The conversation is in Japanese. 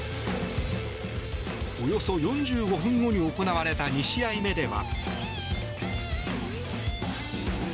およそ４５分後に行われた２試合目では。